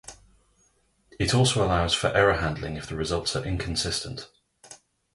It also allows for error handling if the results are inconsistent.